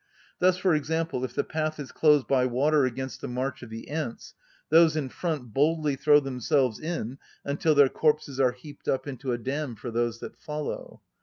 Thus, for example, if the path is closed by water against the march of the ants, those in front boldly throw themselves in until their corpses are heaped up into a dam for those that follow.